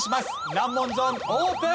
難問ゾーンオープン！